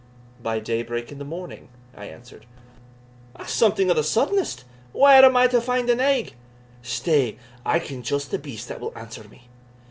"By day break in the morning," I answered. "That's something o' the suddenest whare am I to find a naig? Stay I ken just the beast that will answer me."